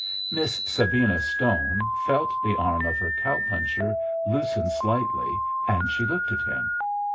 Miss Sabina Stone felt the arm of her cow puncher loosen slightly, and she looked at him.